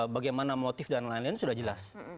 bagaimana motif dan lain lain sudah jelas